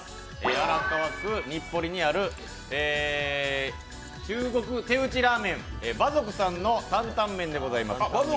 荒川区日暮里にある中国手打ちラーメン、馬賊さんの坦々麺でございます。